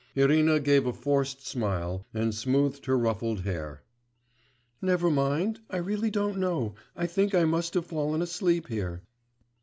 Irina gave a forced smile and smoothed her ruffled hair. 'Never mind.... I really don't know.... I think I must have fallen asleep here.